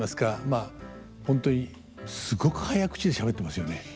まあ本当にすごく早口でしゃべってますよね。